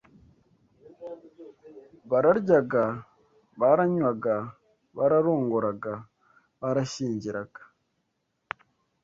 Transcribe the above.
bararyaga, baranywaga, bararongoraga, barashyingiraga,